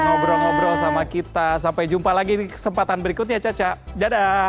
ngobrol ngobrol sama kita sampai jumpa lagi di kesempatan berikutnya caca dadah